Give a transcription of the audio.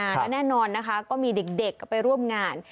และแน่นอนนะคะก็มีเด็กก็ไปร่วมงาน